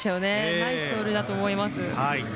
ナイス走塁だと思います。